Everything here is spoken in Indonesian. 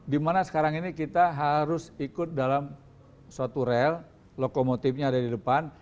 dimana sekarang ini kita harus ikut dalam suatu rel lokomotifnya ada di depan